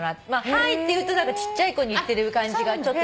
「Ｈｉ」って言うとちっちゃい子に言ってる感じが私の中では。